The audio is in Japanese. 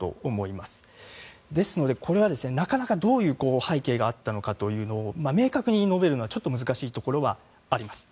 ですのでこれはなかなかどういう背景があったのかというのを明確に述べるのは、ちょっと難しいところはあります。